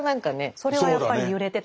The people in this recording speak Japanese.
それはやっぱり揺れてた。